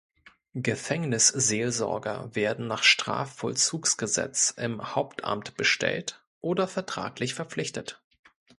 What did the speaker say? Gefängnisseelsorger werden nach Strafvollzugsgesetz im Hauptamt bestellt oder vertraglich verpflichtet.